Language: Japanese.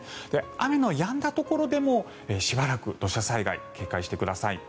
雨のやんだところでもしばらく土砂災害に警戒してください。